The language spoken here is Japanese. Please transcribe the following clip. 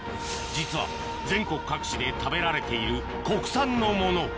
実は全国各地で食べられている国産のもの